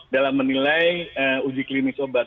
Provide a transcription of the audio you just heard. dalam menilai uji klinis obat